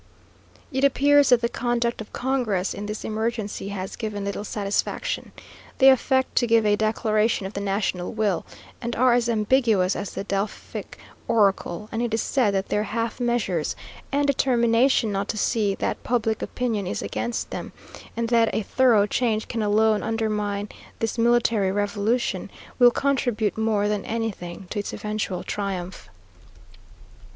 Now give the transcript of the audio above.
It appears that the conduct of congress in this emergency has given little satisfaction. They affect to give a declaration of the national will, and are as ambiguous as the Delphic Oracle; and it is said that their half measures, and determination not to see that public opinion is against them, and that a thorough change can alone undermine this military revolution, will contribute more than anything to its eventual triumph....